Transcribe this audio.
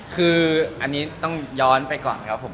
คืออันนี้ต้องย้อนไปก่อนครับผม